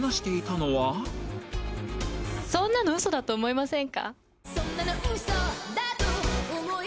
「そんなの嘘だと思いませんか？」